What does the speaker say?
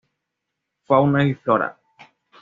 Fauna y Flora.